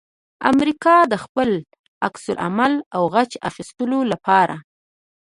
امریکا د خپل عکس العمل او غچ اخستلو لپاره